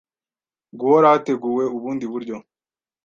guhora hateguwe ubundi buryo